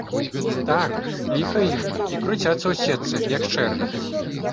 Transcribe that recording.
Так, ліха ім, і круцяцца ў сетцы, як чэрві.